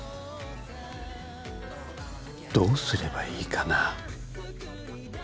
どうすればいいかな？